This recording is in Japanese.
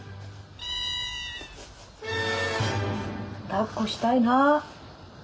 だっこしたいな。